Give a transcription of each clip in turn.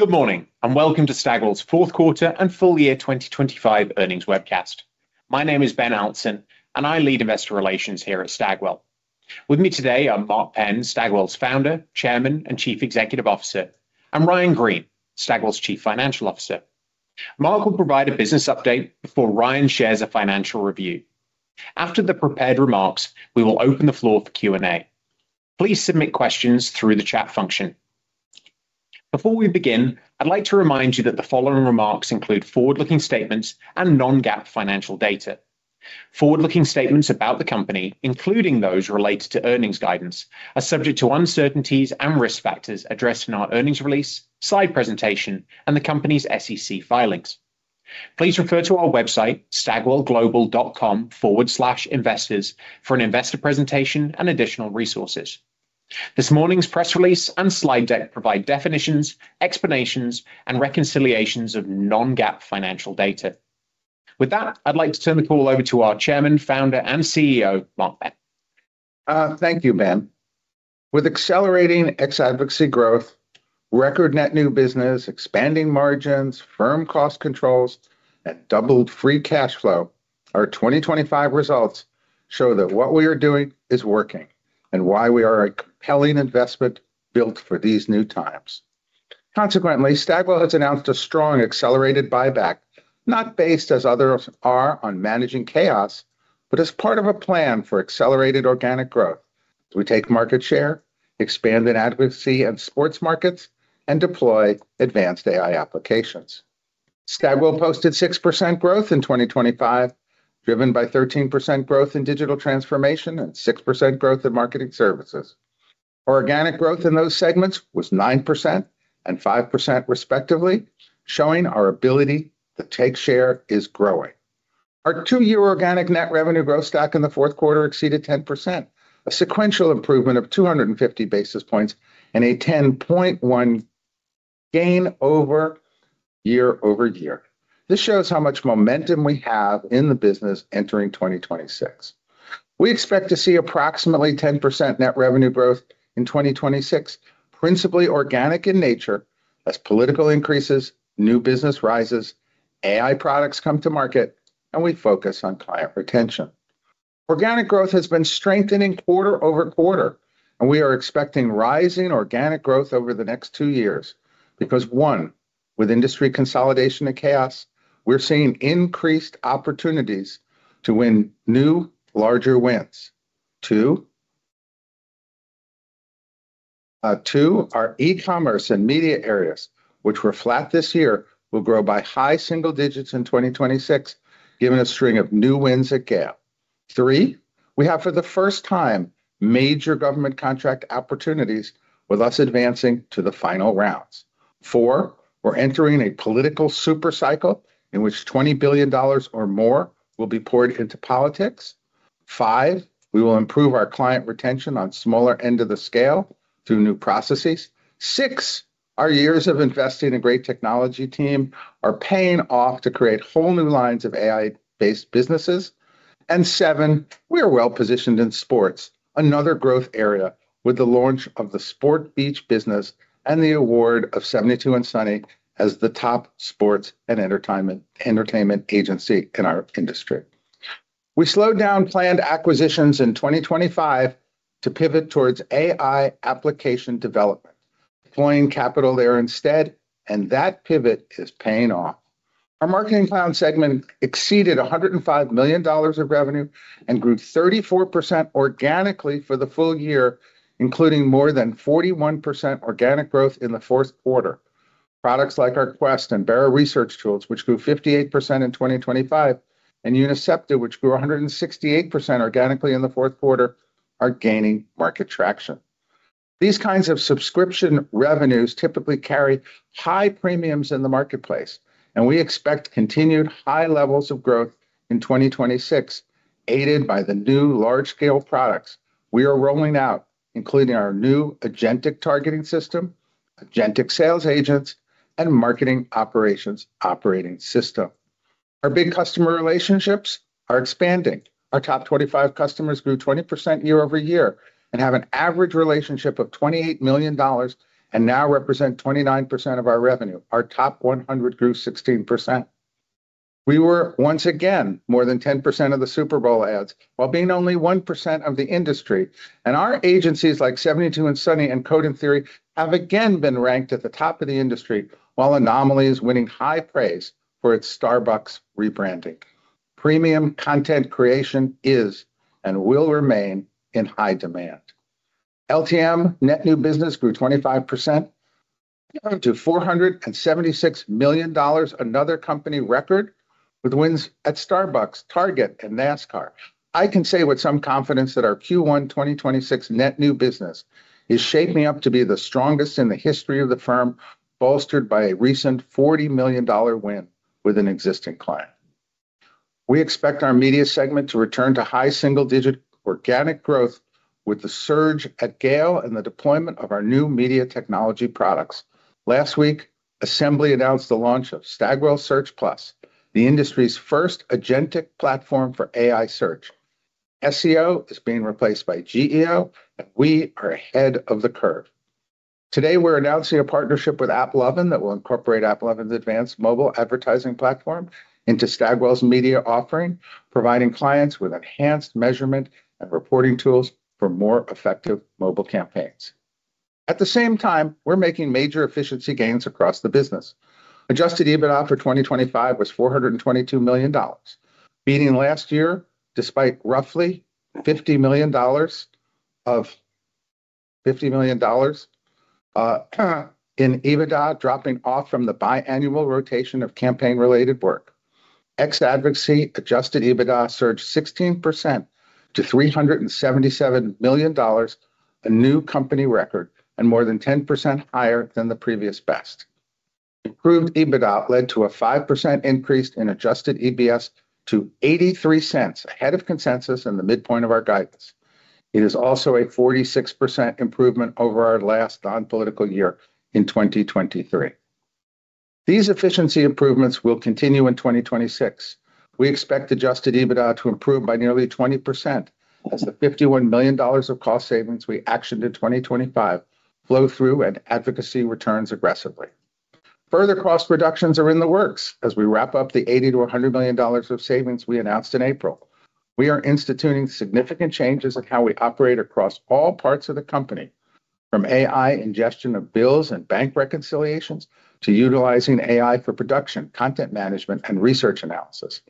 Good morning, and welcome to Stagwell's fourth quarter and full year 2025 earnings webcast. My name is Ben Allanson, and I lead Investor Relations here at Stagwell. With me today are Mark Penn, Stagwell's Founder, Chairman, and Chief Executive Officer, and Ryan Greene, Stagwell's Chief Financial Officer. Mark will provide a business update before Ryan shares a financial review. After the prepared remarks, we will open the floor for Q&A. Please submit questions through the chat function. Before we begin, I'd like to remind you that the following remarks include forward-looking statements and non-GAAP financial data. Forward-looking statements about the company, including those related to earnings guidance, are subject to uncertainties and risk factors addressed in our earnings release, slide presentation, and the company's SEC filings. Please refer to our website, stagwellglobal.com/investors, for an investor presentation and additional resources. This morning's press release and slide deck provide definitions, explanations, and reconciliations of non-GAAP financial data. With that, I'd like to turn the call over to our Chairman, Founder, and CEO, Mark Penn. Thank you, Ben. With accelerating ex-advocacy growth, record net new business, expanding margins, firm cost controls, and doubled free cash flow, our 2025 results show that what we are doing is working and why we are a compelling investment built for these new times. Consequently, Stagwell has announced a strong accelerated buyback, not based as others are on managing chaos, but as part of a plan for accelerated organic growth as we take market share, expand in advocacy and sports markets, and deploy advanced AI applications. Stagwell posted 6% growth in 2025, driven by 13% growth in digital transformation and 6% growth in marketing services. Organic growth in those segments was 9% and 5% respectively, showing our ability to take share is growing. Our two-year organic net revenue growth stack in the fourth quarter exceeded 10%, a sequential improvement of 250 basis points and a 10.1 gain over year-over-year. This shows how much momentum we have in the business entering 2026. We expect to see approximately 10% net revenue growth in 2026, principally organic in nature as political increases, new business rises, AI products come to market, and we focus on client retention. Organic growth has been strengthening quarter-over-quarter, and we are expecting rising organic growth over the next two years because, one, with industry consolidation and chaos, we're seeing increased opportunities to win new larger wins. Two, our e-commerce and media areas, which were flat this year, will grow by high single digits in 2026, given a string of new wins at GALE. 3, we have for the first time major government contract opportunities with us advancing to the final rounds. 4, we're entering a political super cycle in which $20 billion or more will be poured into politics. 5, we will improve our client retention on smaller end of the scale through new processes. 6, our years of investing in great technology team are paying off to create whole new lines of AI-based businesses. 7, we are well-positioned in sports, another growth area with the launch of the Sport Beach business and the award of 72andSunny as the top sports and entertainment agency in our industry. We slowed down planned acquisitions in 2025 to pivot towards AI application development, deploying capital there instead, and that pivot is paying off. Our Marketing Cloud segment exceeded $105 million of revenue and grew 34% organically for the full year, including more than 41% organic growth in the fourth quarter. Products like our Quest and BERA research tools, which grew 58% in 2025, and UNICEPTA, which grew 168% organically in the fourth quarter, are gaining market traction. These kinds of subscription revenues typically carry high premiums in the marketplace, and we expect continued high levels of growth in 2026, aided by the new large-scale products we are rolling out, including our new agentic targeting system, agentic sales agents, and marketing operations operating system. Our big customer relationships are expanding. Our top 25 customers grew 20% year-over-year and have an average relationship of $28 million and now represent 29% of our revenue. Our top 100 grew 16%. We were once again more than 10% of the Super Bowl ads while being only 1% of the industry. Our agencies like 72andSunny and Code and Theory have again been ranked at the top of the industry, while Anomaly is winning high praise for its Starbucks rebranding. Premium content creation is and will remain in high demand. LTM net new business grew 25% to $476 million, another company record with wins at Starbucks, Target, and NASCAR. I can say with some confidence that our Q1 2026 net new business is shaping up to be the strongest in the history of the firm, bolstered by a recent $40 million win with an existing client. We expect our media segment to return to high single-digit organic growth with the surge at GALE and the deployment of our new media technology products. Last week, Assembly announced the launch of Stagwell Search+, the industry's first agentic platform for AI search. SEO is being replaced by GEO, and we are ahead of the curve. Today, we're announcing a partnership with AppLovin that will incorporate AppLovin's advanced mobile advertising platform into Stagwell's media offering, providing clients with enhanced measurement and reporting tools for more effective mobile campaigns. At the same time, we're making major efficiency gains across the business. Adjusted EBITDA for 2025 was $422 million, beating last year despite roughly $50 million in EBITDA dropping off from the biannual rotation of campaign-related work. Excluding advocacy Adjusted EBITDA surged 16% to $377 million, a new company record, and more than 10% higher than the previous best. Improved EBITDA led to a 5% increase in adjusted EPS to $0.83, ahead of consensus and the midpoint of our guidance. It is also a 46% improvement over our last non-political year in 2023. These efficiency improvements will continue in 2026. We expect Adjusted EBITDA to improve by nearly 20% as the $51 million of cost savings we actioned in 2025 flow through and advocacy returns aggressively. Further cost reductions are in the works as we wrap up the $80 million-$100 million of savings we announced in April. We are instituting significant changes in how we operate across all parts of the company, from AI ingestion of bills and bank reconciliations to utilizing AI for production, content management, and research analysis.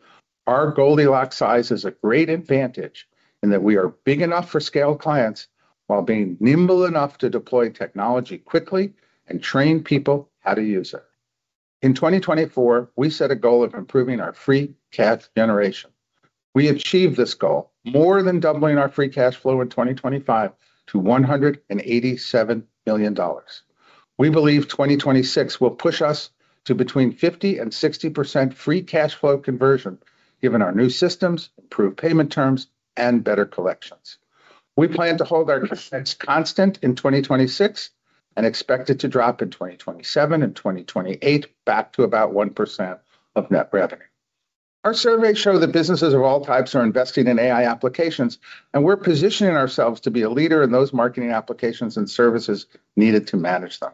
Our Goldilocks size is a great advantage in that we are big enough for scale clients while being nimble enough to deploy technology quickly and train people how to use it. In 2024, we set a goal of improving our free cash generation. We achieved this goal, more than doubling our free cash flow in 2025 to $187 million. We believe 2026 will push us to between 50% and 60% free cash flow conversion given our new systems, improved payment terms, and better collections. We plan to hold our cash advance constant in 2026 and expect it to drop in 2027 and 2028 back to about 1% of net revenue. Our surveys show that businesses of all types are investing in AI applications, and we're positioning ourselves to be a leader in those marketing applications and services needed to manage them.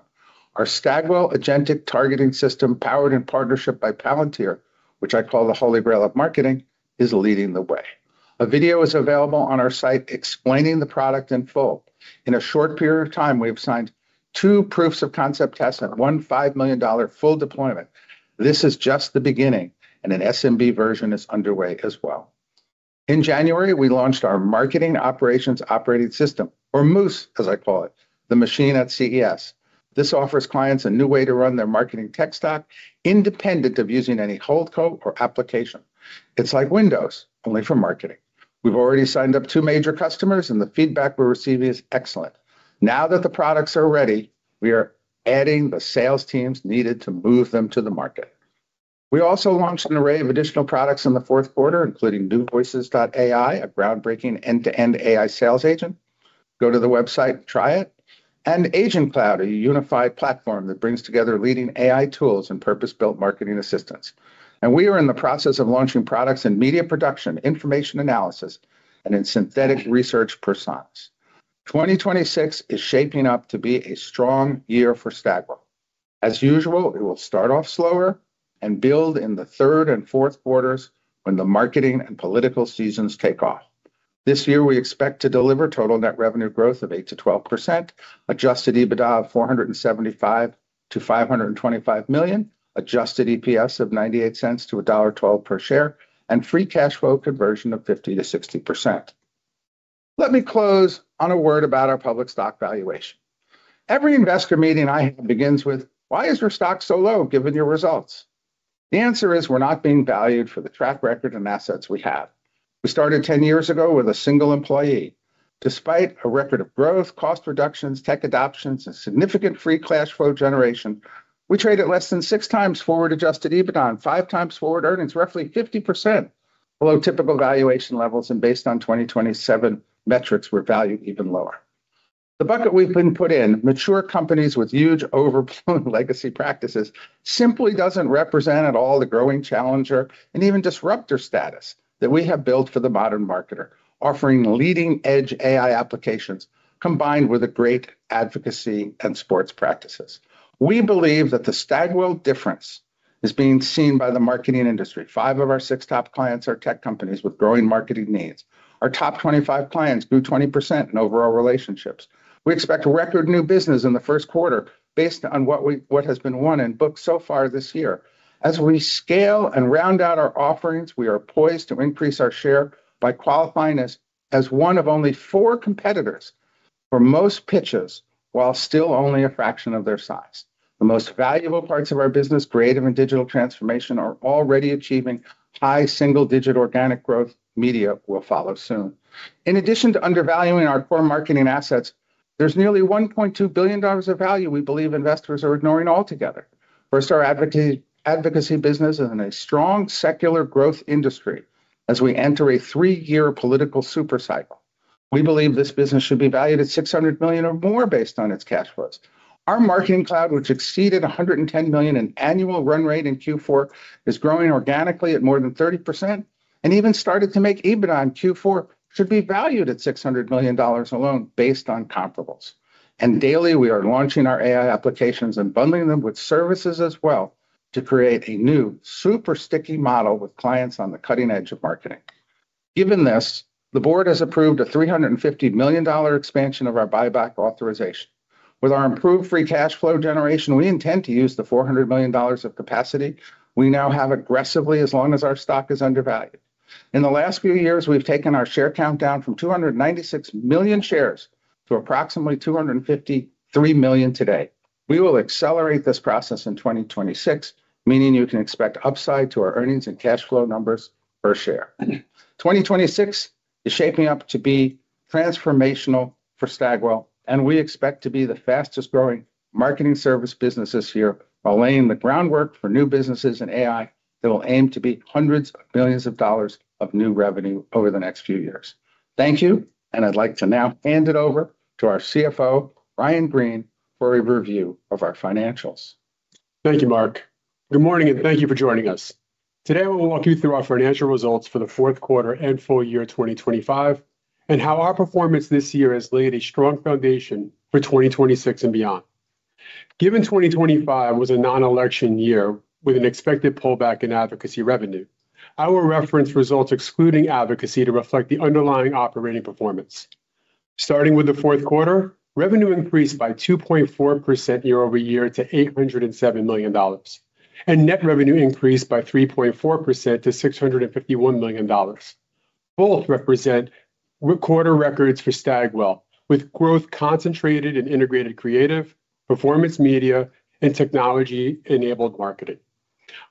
Our Stagwell agentic targeting system, powered in partnership by Palantir, which I call the Holy Grail of marketing, is leading the way. A video is available on our site explaining the product in full. In a short period of time, we have signed 2 proofs of concept tests and one $5 million full deployment. This is just the beginning, and an SMB version is underway as well. In January, we launched our Marketing Operations Operating System, or MOOS, as I call it, The Machine at CES. This offers clients a new way to run their marketing tech stack independent of using any hold co or application. It's like Windows only for marketing. We've already signed up two major customers, and the feedback we're receiving is excellent. Now that the products are ready, we are adding the sales teams needed to move them to the market. We also launched an array of additional products in the fourth quarter, including NewVoices.ai, a groundbreaking end-to-end AI sales agent. Go to the website, try it. Agent Cloud, a unified platform that brings together leading AI tools and purpose-built marketing assistance. We are in the process of launching products in media production, information analysis, and in synthetic research personas. 2026 is shaping up to be a strong year for Stagwell. As usual, it will start off slower and build in the third and fourth quarters when the marketing and political seasons take off. This year, we expect to deliver total net revenue growth of 8%-12%, Adjusted EBITDA of $475 million-$525 million, adjusted EPS of $0.98-$1.12 per share, and free cash flow conversion of 50%-60%. Let me close on a word about our public stock valuation. Every investor meeting I have begins with, "Why is your stock so low given your results?" The answer is we're not being valued for the track record and assets we have. We started 10 years ago with a single employee. Despite a record of growth, cost reductions, tech adoptions, and significant free cash flow generation, we trade at less than 6x forward-Adjusted EBITDA, 5x forward earnings, roughly 50% below typical valuation levels, and based on 2027 metrics were valued even lower. The bucket we've been put in, mature companies with huge overblown legacy practices, simply doesn't represent at all the growing challenger and even disruptor status that we have built for the modern marketer, offering leading-edge AI applications combined with a great advocacy and sports practices. We believe that the Stagwell difference is being seen by the marketing industry. Five of our six top clients are tech companies with growing marketing needs. Our top 25 clients grew 20% in overall relationships. We expect record new business in the first quarter based on what has been won and booked so far this year. As we scale and round out our offerings, we are poised to increase our share by qualifying as one of only four competitors for most pitches, while still only a fraction of their size. The most valuable parts of our business, creative and digital transformation, are already achieving high single-digit organic growth. Media will follow soon. In addition to undervaluing our core marketing assets, there's nearly $1.2 billion of value we believe investors are ignoring altogether. First, our advocacy business is in a strong secular growth industry as we enter a three-year political super cycle. We believe this business should be valued at $600 million or more based on its cash flows. Our marketing cloud, which exceeded $110 million in annual run rate in Q4, is growing organically at more than 30% and even started to make EBITDA in Q4, should be valued at $600 million alone based on comparables. Daily, we are launching our AI applications and bundling them with services as well to create a new super sticky model with clients on the cutting edge of marketing. Given this, the board has approved a $350 million expansion of our buyback authorization. With our improved free cash flow generation, we intend to use the $400 million of capacity we now have aggressively as long as our stock is undervalued. In the last few years, we've taken our share count down from 296 million shares to approximately 253 million today. We will accelerate this process in 2026, meaning you can expect upside to our earnings and cash flow numbers per share. 2026 is shaping up to be transformational for Stagwell, and we expect to be the fastest-growing marketing service business this year while laying the groundwork for new businesses in AI that will aim to be hundreds of billions of dollars of new revenue over the next few years. Thank you, and I'd like to now hand it over to our CFO, Ryan Greene, for a review of our financials. Thank you, Mark. Good morning, and thank you for joining us. Today, I will walk you through our financial results for the fourth quarter and full year 2025, and how our performance this year has laid a strong foundation for 2026 and beyond. Given 2025 was a non-election year with an expected pullback in advocacy revenue, I will reference results excluding advocacy to reflect the underlying operating performance. Starting with the fourth quarter, revenue increased by 2.4% year-over-year to $807 million, and net revenue increased by 3.4% to $651 million. Both represent record quarter records for Stagwell, with growth concentrated in integrated creative, performance media, and technology-enabled marketing.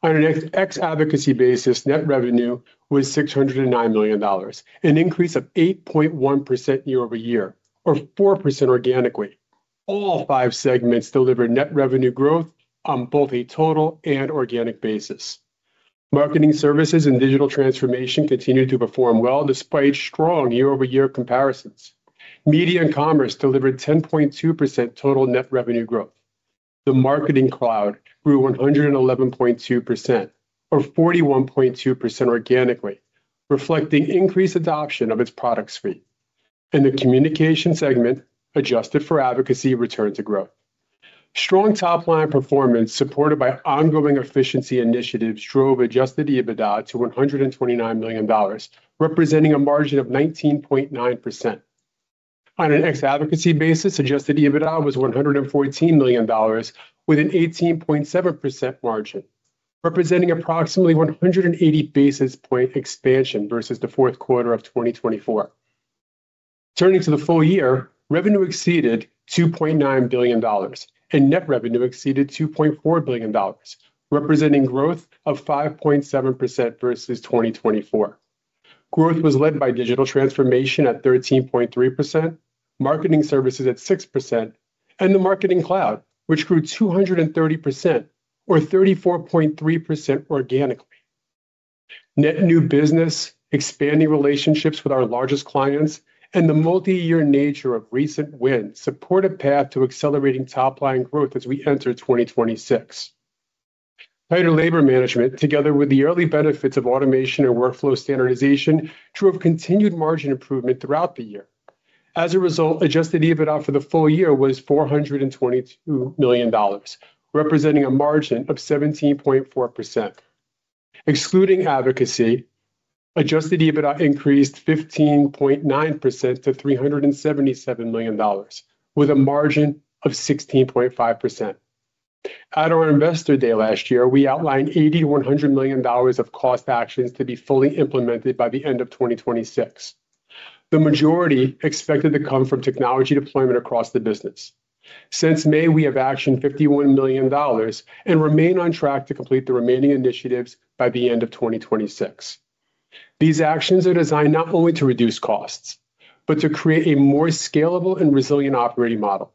On an ex-advocacy basis, net revenue was $609 million, an increase of 8.1% year-over-year or 4% organically. All five segments delivered net revenue growth on both a total and organic basis. Marketing services and digital transformation continued to perform well despite strong year-over-year comparisons. Media and commerce delivered 10.2% total net revenue growth. The marketing cloud grew 111.2% or 41.2% organically, reflecting increased adoption of its product suite. In the communication segment, adjusted for advocacy returned to growth. Strong top-line performance supported by ongoing efficiency initiatives drove Adjusted EBITDA to $129 million, representing a margin of 19.9%. On an ex advocacy basis, Adjusted EBITDA was $114 million, with an 18.7% margin, representing approximately 180 basis point expansion versus the fourth quarter of 2024. Turning to the full year, revenue exceeded $2.9 billion, and net revenue exceeded $2.4 billion, representing growth of 5.7% versus 2024. Growth was led by digital transformation at 13.3%, marketing services at 6%, and the marketing cloud, which grew 230% or 34.3% organically. Net new business, expanding relationships with our largest clients, and the multi-year nature of recent wins support a path to accelerating top-line growth as we enter 2026. Higher labor management, together with the early benefits of automation and workflow standardization, drove continued margin improvement throughout the year. As a result, Adjusted EBITDA for the full year was $422 million, representing a margin of 17.4%. Excluding advocacy, Adjusted EBITDA increased 15.9% to $377 million with a margin of 16.5%. At our Investor Day last year, we outlined $80 million-$100 million of cost actions to be fully implemented by the end of 2026. The majority expected to come from technology deployment across the business. Since May, we have actioned $51 million and remain on track to complete the remaining initiatives by the end of 2026. These actions are designed not only to reduce costs but to create a more scalable and resilient operating model.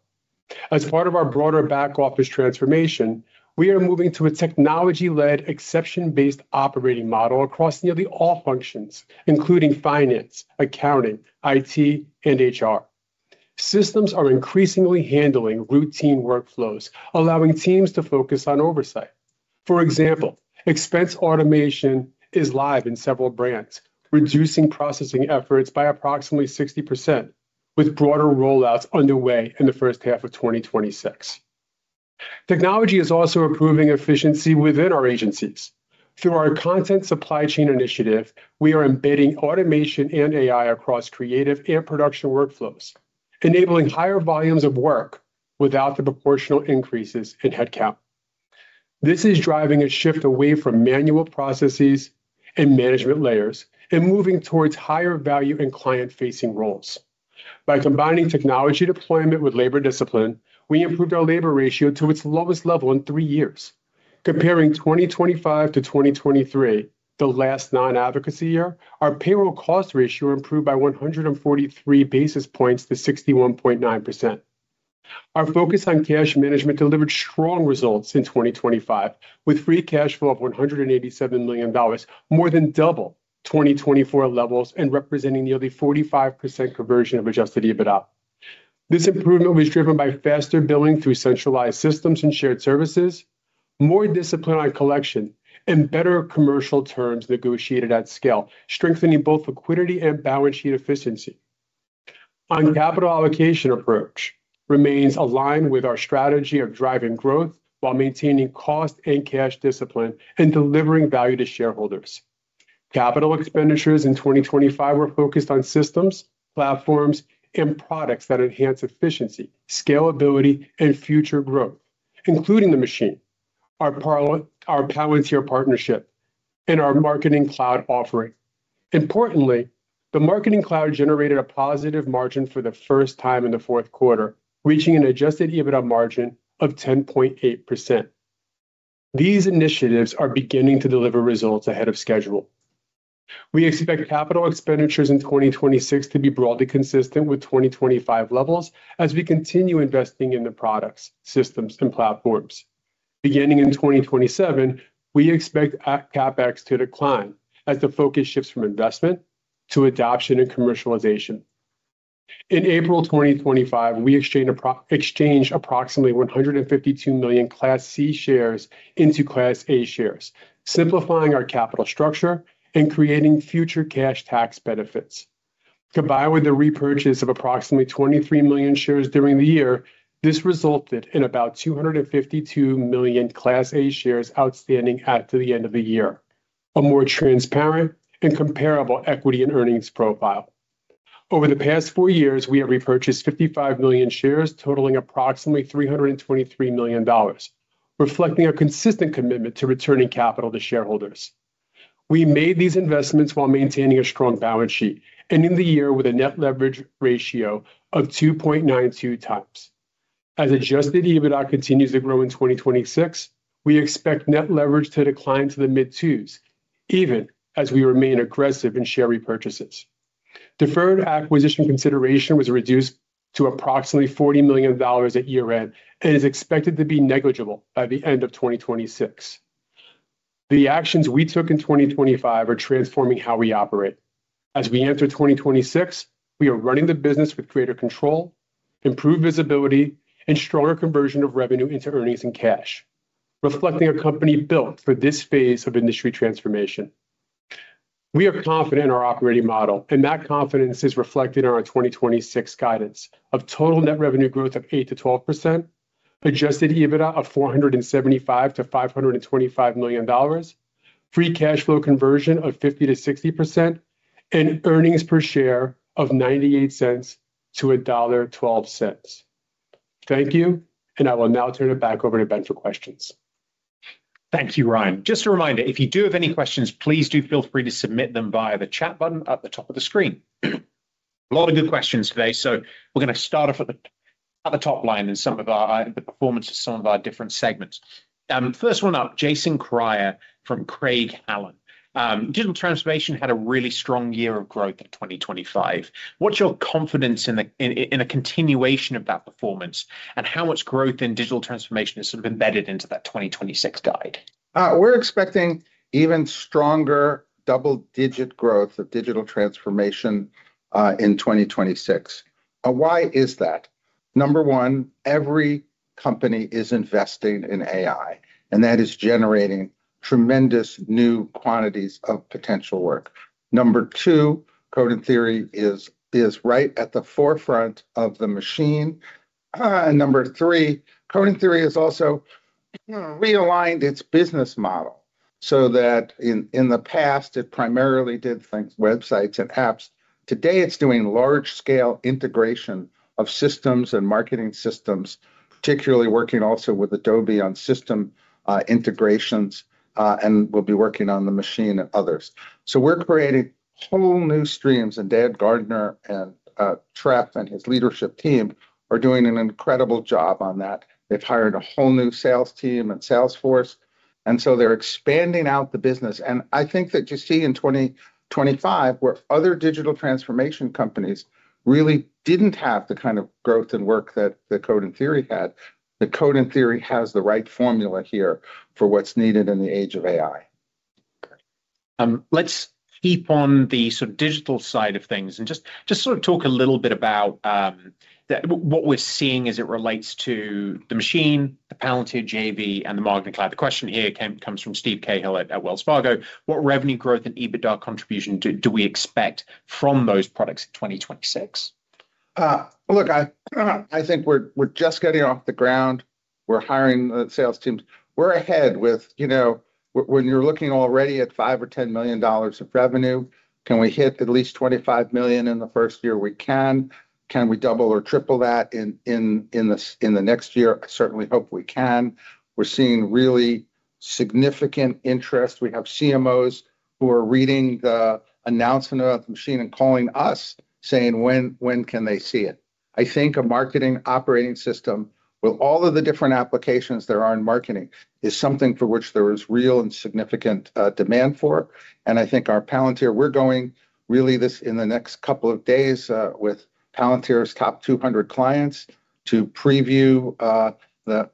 As part of our broader back-office transformation, we are moving to a technology-led exception-based operating model across nearly all functions, including finance, accounting, IT, and HR. Systems are increasingly handling routine workflows, allowing teams to focus on oversight. For example, expense automation is live in several brands, reducing processing efforts by approximately 60%, with broader rollouts underway in the first half of 2026. Technology is also improving efficiency within our agencies. Through our content supply chain initiative, we are embedding automation and AI across creative and production workflows, enabling higher volumes of work without the proportional increases in headcount. This is driving a shift away from manual processes and management layers and moving towards higher value in client-facing roles. By combining technology deployment with labor discipline, we improved our labor ratio to its lowest level in three years. Comparing 2025 to 2023, the last non-advocacy year, our payroll cost ratio improved by 143 basis points to 61.9%. Our focus on cash management delivered strong results in 2025, with free cash flow of $187 million, more than double 2024 levels and representing nearly 45% conversion of Adjusted EBITDA. This improvement was driven by faster billing through centralized systems and shared services, more discipline on collection, and better commercial terms negotiated at scale, strengthening both liquidity and balance sheet efficiency. Our capital allocation approach remains aligned with our strategy of driving growth while maintaining cost and cash discipline and delivering value to shareholders. Capital expenditures in 2025 were focused on systems, platforms, and products that enhance efficiency, scalability, and future growth, including The Machine, our Palantir partnership, and our Marketing Cloud offering. Importantly, the Marketing Cloud generated a positive margin for the first time in the fourth quarter, reaching an Adjusted EBITDA margin of 10.8%. These initiatives are beginning to deliver results ahead of schedule. We expect capital expenditures in 2026 to be broadly consistent with 2025 levels as we continue investing in the products, systems, and platforms. Beginning in 2027, we expect CapEx to decline as the focus shifts from investment to adoption and commercialization. In April 2025, we exchanged approximately 152 million Class C shares into Class A shares, simplifying our capital structure and creating future cash tax benefits. Combined with the repurchase of approximately 23 million shares during the year, this resulted in about 252 million Class A shares outstanding at the end of the year, a more transparent and comparable equity and earnings profile. Over the past four years, we have repurchased 55 million shares totaling approximately $323 million, reflecting our consistent commitment to returning capital to shareholders. We made these investments while maintaining a strong balance sheet, ending the year with a net leverage ratio of 2.92 times. As Adjusted EBITDA continues to grow in 2026, we expect net leverage to decline to the mid-2s even as we remain aggressive in share repurchases. Deferred acquisition consideration was reduced to approximately $40 million at year-end and is expected to be negligible by the end of 2026. The actions we took in 2025 are transforming how we operate. As we enter 2026, we are running the business with greater control, improved visibility, and stronger conversion of revenue into earnings and cash, reflecting a company built for this phase of industry transformation. We are confident in our operating model, and that confidence is reflected in our 2026 guidance of total net revenue growth of 8%-12%, Adjusted EBITDA of $475 million-$525 million, free cash flow conversion of 50%-60%, and earnings per share of $0.98-$1.12. Thank you, and I will now turn it back over to Ben for questions. Thank you, Ryan. Just a reminder, if you do have any questions, please do feel free to submit them via the chat button at the top of the screen. A lot of good questions today, so we're gonna start off at the top line in the performance of some of our different segments. First one up, Jason Kreyer from Craig-Hallum. Digital transformation had a really strong year of growth in 2025. What's your confidence in a continuation of that performance, and how much growth in digital transformation is sort of embedded into that 2026 guide? We're expecting even stronger double-digit growth of digital transformation in 2026. Why is that? Number one, every company is investing in AI, and that is generating tremendous new quantities of potential work. Number two, Code and Theory is right at the forefront of The Machine. Number three, Code and Theory has also realigned its business model, so that in the past, it primarily did things, websites and apps. Today it's doing large-scale integration of systems and marketing systems, particularly working also with Adobe on system integrations, and will be working on The Machine and others. We're creating whole new streams, and Dan Gardner and Trev and his leadership team are doing an incredible job on that. They've hired a whole new sales team and sales force, and so they're expanding out the business. I think that you see in 2025, where other digital transformation companies really didn't have the kind of growth and work that Code and Theory had, that Code and Theory has the right formula here for what's needed in the age of AI. Let's keep on the sort of digital side of things and sort of talk a little bit about what we're seeing as it relates to The Machine, the Palantir JV, and the Marketing Cloud. The question here comes from Steve Cahall at Wells Fargo. What revenue growth and EBITDA contribution do we expect from those products in 2026? Look, I think we're just getting off the ground. We're hiring the sales teams. We're ahead with, you know. When you're looking already at $5 million or $10 million of revenue, can we hit at least $25 million in the first year? We can. Can we double or triple that in the next year? I certainly hope we can. We're seeing really significant interest. We have CMOs who are reading the announcement about The Machine and calling us saying, "When can they see it?" I think a marketing operating system with all of the different applications there are in marketing is something for which there is real and significant demand for. I think our Palantir, we're going live with this in the next couple of days with Palantir's top 200 clients. To preview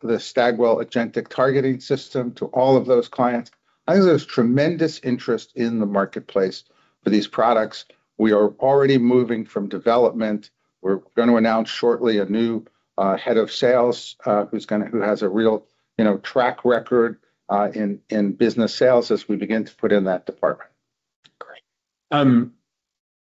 the Stagwell agentic targeting system to all of those clients. I think there's tremendous interest in the marketplace for these products. We are already moving from development. We're gonna announce shortly a new head of sales, who has a real, you know, track record in business sales as we begin to put in that department. Great.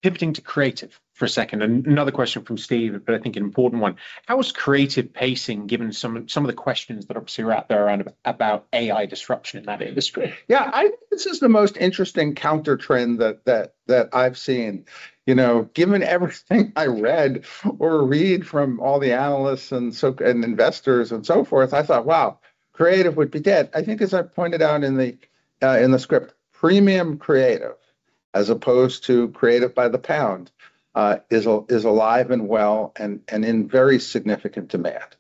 Pivoting to creative for a second. Another question from Steve, but I think an important one. How is creative pacing, given some of the questions that obviously are out there about AI disruption in that industry? Yeah, I think this is the most interesting countertrend that I've seen. You know, given everything I read from all the analysts and investors and so forth, I thought, "Wow, creative would be dead." I think as I pointed out in the script, premium creative as opposed to creative by the pound is alive and well and in very significant demand.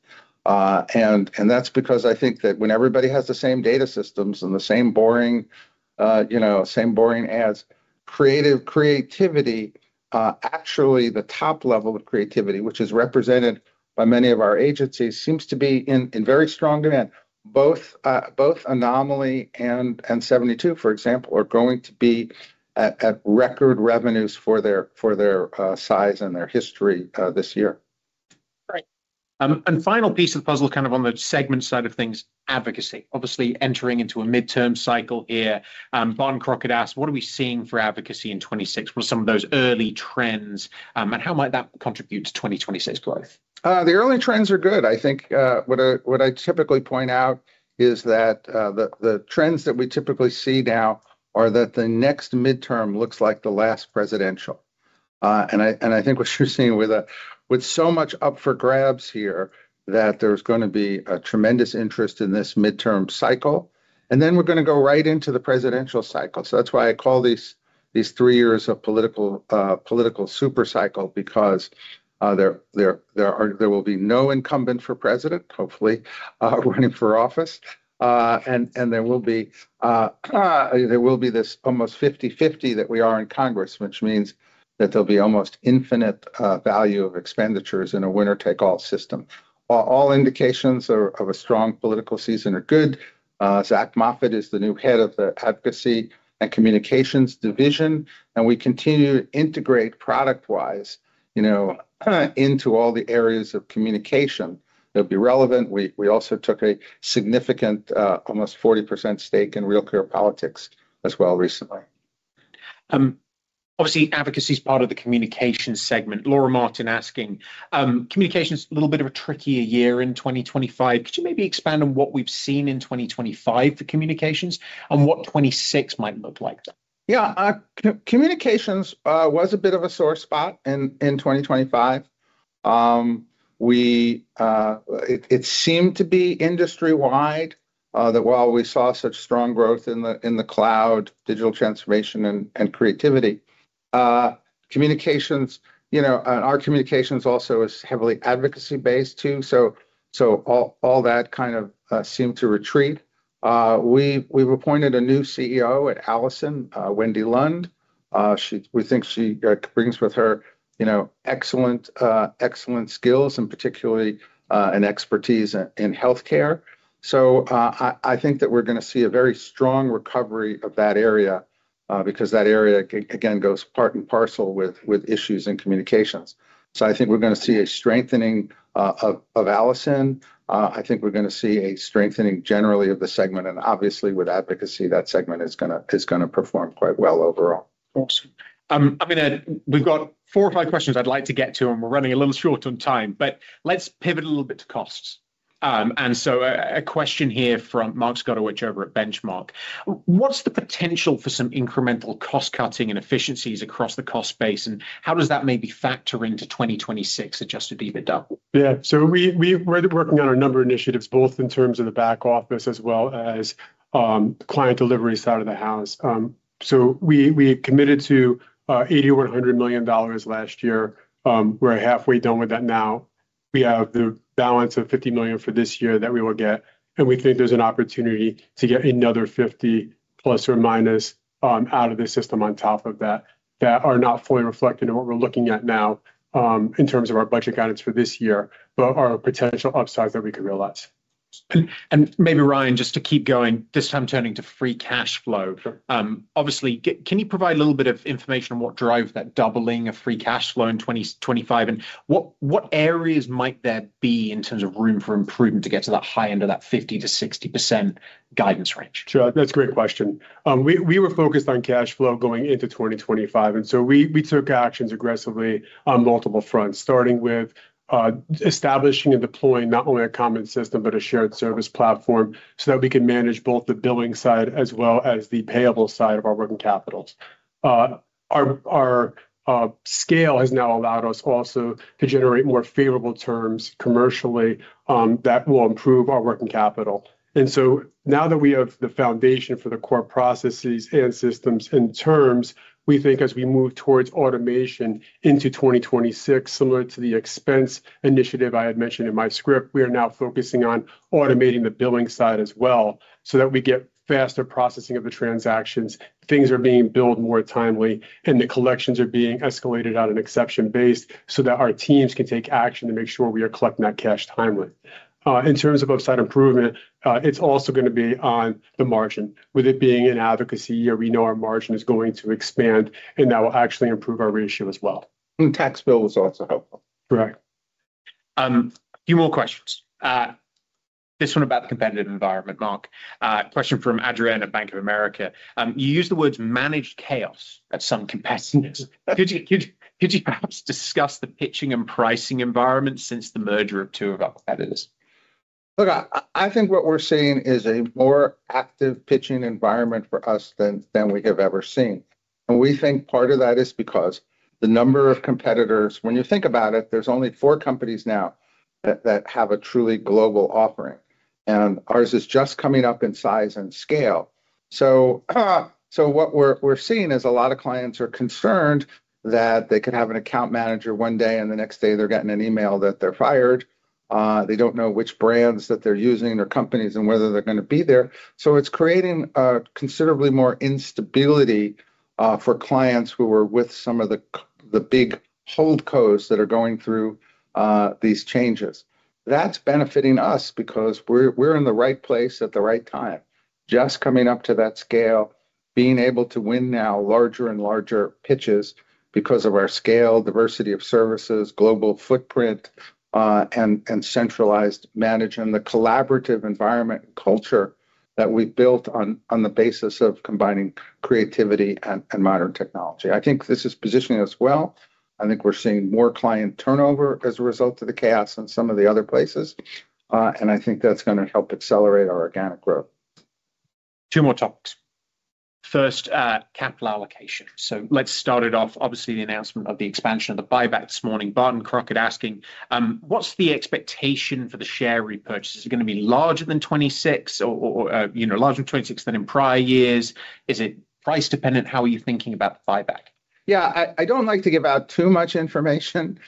That's because I think that when everybody has the same data systems and the same boring ads, you know, creative, actually the top level of creativity, which is represented by many of our agencies, seems to be in very strong demand. Both Anomaly and 72andSunny, for example, are going to be at record revenues for their size and their history this year. Great. Final piece of the puzzle, kind of on the segment side of things, advocacy. Obviously entering into a midterm cycle here. Barton Crockett asks, what are we seeing for advocacy in 2026? What are some of those early trends, and how might that contribute to 2026 growth? The early trends are good. I think what I typically point out is that the trends that we typically see now are that the next midterm looks like the last presidential. I think what you're seeing with so much up for grabs here, that there's gonna be a tremendous interest in this midterm cycle. We're gonna go right into the presidential cycle. That's why I call these three years a political super cycle, because there will be no incumbent for president, hopefully running for office. There will be this almost 50/50 that we are in Congress, which means that there'll be almost infinite value of expenditures in a winner-take-all system. All indications are that a strong political season is good. Zac Moffatt is the new head of the Advocacy and Communications division, and we continue to integrate product-wise, you know, into all the areas of communication that'll be relevant. We also took a significant almost 40% stake in RealClearPolitics as well recently. Obviously advocacy is part of the communications segment. Laura Martin asking, communications a little bit of a trickier year in 2025. Could you maybe expand on what we've seen in 2025 for communications and what 2026 might look like? Yeah. Communications was a bit of a sore spot in 2025. It seemed to be industry-wide that while we saw such strong growth in the cloud, digital transformation and creativity, communications, you know, our communications also is heavily advocacy-based too. All that kind of seemed to retreat. We've appointed a new CEO at Allison, Wendy Lund. We think she brings with her, you know, excellent skills and particularly an expertise in healthcare. I think that we're gonna see a very strong recovery of that area because that area again goes part and parcel with issues in communications. I think we're gonna see a strengthening of Allison. I think we're gonna see a strengthening generally of the segment, and obviously with advocacy, that segment is gonna perform quite well overall. Awesome. We've got four or five questions I'd like to get to, and we're running a little short on time, but let's pivot a little bit to costs. A question here from Mark Zgutowicz over at Benchmark. What's the potential for some incremental cost-cutting and efficiencies across the cost base, and how does that maybe factor into 2026 Adjusted EBITDA? Yeah. We're working on a number of initiatives, both in terms of the back office as well as client delivery side of the house. We committed to $80 million or $100 million last year. We're halfway done with that now. We have the balance of $50 million for this year that we will get, and we think there's an opportunity to get another $50, plus or minus, out of the system on top of that are not fully reflected in what we're looking at now, in terms of our budget guidance for this year, but are a potential upside that we could realize. Maybe, Ryan, just to keep going, this time turning to free cash flow. Sure. Obviously, can you provide a little bit of information on what drove that doubling of free cash flow in 2025, and what areas might there be in terms of room for improvement to get to that high end of that 50%-60% guidance range? Sure. That's a great question. We were focused on cash flow going into 2025, and so we took actions aggressively on multiple fronts, starting with establishing and deploying not only a common system, but a shared service platform so that we can manage both the billing side as well as the payable side of our working capital. Our scale has now allowed us also to generate more favorable terms commercially, that will improve our working capital. Now that we have the foundation for the core processes and systems in terms, we think as we move towards automation into 2026, similar to the expense initiative I had mentioned in my script, we are now focusing on automating the billing side as well so that we get faster processing of the transactions, things are being billed more timely, and the collections are being escalated out and exception based so that our teams can take action to make sure we are collecting that cash timely. In terms of upside improvement, it's also gonna be on the margin. With it being an advocacy year, we know our margin is going to expand, and that will actually improve our ratio as well. Tax bill was also helpful. Correct. A few more questions. This one about the competitive environment, Mark. Question from Adrienne at Bank of America. You used the words managed chaos at some competitors. Could you perhaps discuss the pitching and pricing environment since the merger of two of our competitors? Look, I think what we're seeing is a more active pitching environment for us than we have ever seen. We think part of that is because the number of competitors. When you think about it, there's only four companies now that have a truly global offering, and ours is just coming up in size and scale. So what we're seeing is a lot of clients are concerned that they could have an account manager one day, and the next day they're getting an email that they're fired. They don't know which brands that they're using, or companies and whether they're gonna be there. So it's creating considerably more instability for clients who were with some of the big holdcos that are going through these changes. That's benefiting us because we're in the right place at the right time, just coming up to that scale, being able to win now larger and larger pitches because of our scale, diversity of services, global footprint, and centralized management, the collaborative environment culture that we've built on the basis of combining creativity and modern technology. I think this is positioning us well. I think we're seeing more client turnover as a result of the chaos in some of the other places, and I think that's gonna help accelerate our organic growth. Two more topics. First, capital allocation. Let's start it off, obviously, the announcement of the expansion of the buyback this morning. Barton Crockett asking, what's the expectation for the share repurchase? Is it gonna be larger than 2026, you know, than in prior years? Is it price dependent? How are you thinking about the buyback? Yeah, I don't like to give out too much information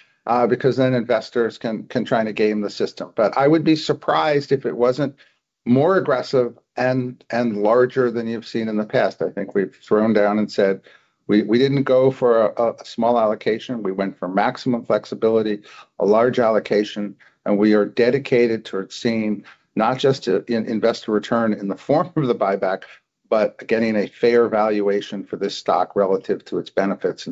because then investors can try to game the system. I would be surprised if it wasn't more aggressive and larger than you've seen in the past. I think we've thrown down and said we didn't go for a small allocation. We went for maximum flexibility, a large allocation, and we are dedicated towards seeing not just an investor return in the form of the buyback, but getting a fair valuation for this stock relative to its benefits.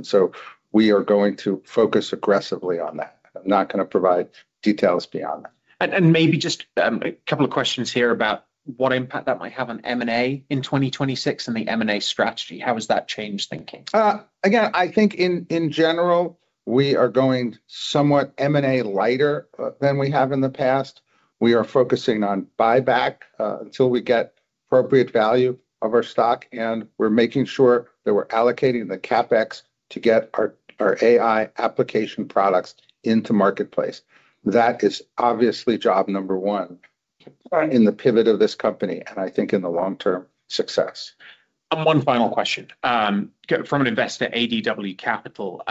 We are going to focus aggressively on that. I'm not gonna provide details beyond that. Maybe just a couple of questions here about what impact that might have on M&A in 2026 and the M&A strategy. How has that changed thinking? Again, I think in general, we are going somewhat M&A lighter than we have in the past. We are focusing on buyback until we get appropriate value of our stock, and we're making sure that we're allocating the CapEx to get our AI application products into marketplace. That is obviously job number one in the pivot of this company, and I think in the long term, success. One final question from an investor at ADW Capital.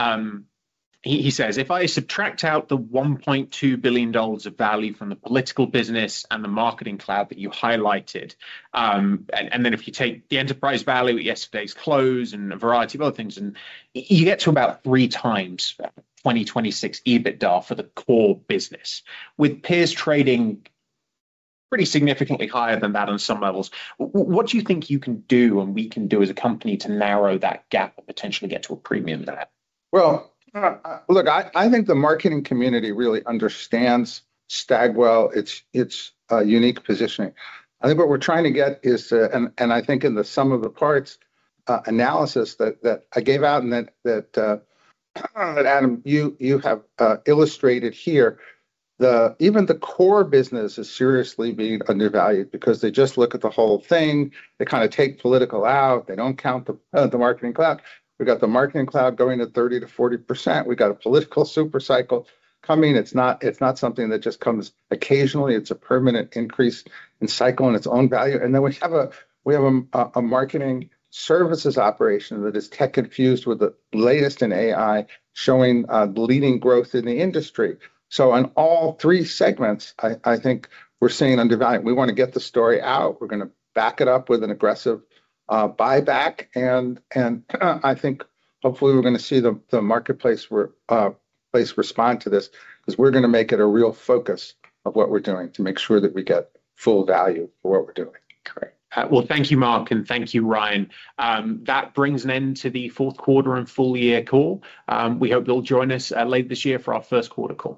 He says, "If I subtract out the $1.2 billion of value from the political business and the marketing cloud that you highlighted, and then if you take the enterprise value at yesterday's close and a variety of other things, and you get to about 3x 2026 EBITDA for the core business. With peers trading pretty significantly higher than that on some levels, what do you think you can do and we can do as a company to narrow that gap and potentially get to a premium there? Well, look, I think the marketing community really understands Stagwell, its unique positioning. I think what we're trying to get is to. I think in the sum of the parts analysis that I gave out and that Adam you have illustrated here, even the core business is seriously being undervalued because they just look at the whole thing. They kinda take political out. They don't count the marketing cloud. We got the marketing cloud going to 30%-40%. We got a political super cycle coming. It's not something that just comes occasionally, it's a permanent increase in cycle and its own value. Then we have a marketing services operation that is tech-infused with the latest in AI, showing leading growth in the industry. In all three segments, I think we're seeing undervaluation. We wanna get the story out. We're gonna back it up with an aggressive buyback, and I think hopefully we're gonna see the marketplace respond to this, 'cause we're gonna make it a real focus of what we're doing to make sure that we get full value for what we're doing. Great. Well, thank you, Mark, and thank you, Ryan. That brings an end to the fourth quarter and full year call. We hope you'll join us late this year for our first quarter call.